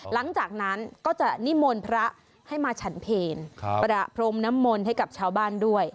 หลังจากนั้นก็จะนิมนต์พระให้มาฉันเพลประพรมน้ำมนต์ให้กับชาวบ้านด้วย